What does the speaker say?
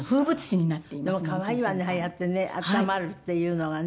でも可愛いわねああやってね暖まるっていうのがね。